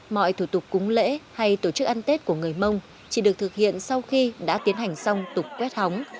mọi thủ tục cúng lễ hay tổ chức ăn tết của người mông chỉ được thực hiện sau khi đã tiến hành xong tục quét hóng